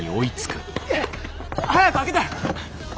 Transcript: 早く開けて！